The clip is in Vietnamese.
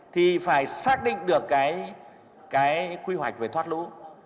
thì phải xác định được cái quy hoạch về thoát lũ